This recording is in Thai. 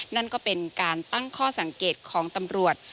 นั่นก็เป็นการตั้งข้อสังเกตของตำรวจ